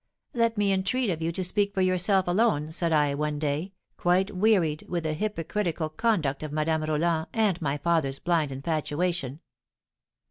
'Let me entreat of you to speak for yourself alone,' said I, one day, quite wearied with the hypocritical conduct of Madame Roland and my father's blind infatuation.